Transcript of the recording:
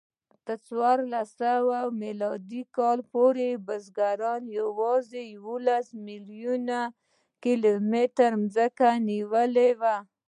تر څوارلس میلادي کال پورې بزګرانو یواځې یوولس میلیونه کیلومتره ځمکه نیولې وه.